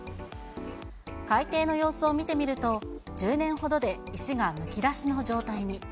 海底の様子を見てみると、１０年ほどで石がむき出しの状態に。